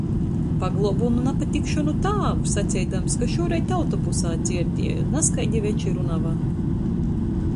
Pagluobu nu napatikšonu tāvu, saceidams, ka šūreit autobusā dzierdieju, nazkaidi veči runuoja.